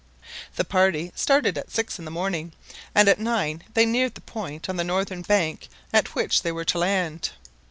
The party started at six in the morning, and at nine they neared the point on the northern bank at which they were to land.